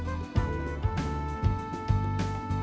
oh udah ngerti semuanya